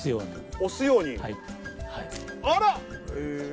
押すように。